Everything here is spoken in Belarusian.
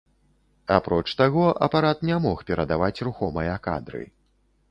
Апроч таго, апарат не мог перадаваць рухомыя кадры.